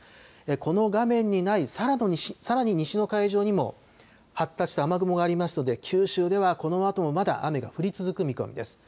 この画面にないさらに西の海上にも発達した雨雲がありますので九州ではこのあともまだ雨が降り続く見込みです。